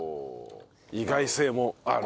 意外性もあると。